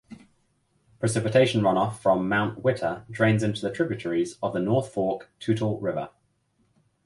Precipitation runoff from Mount Whittier drains into tributaries of the North Fork Toutle River.